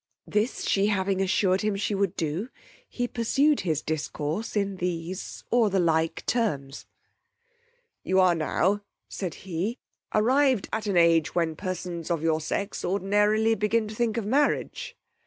This she having assured him she would do, he pursued his discourse in these or the like terms: You are now, said he, arrived at an age when persons of your sex ordinarily begin to think of marriage.